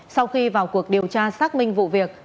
sau khi vào cuộc điều tra xác minh vụ việc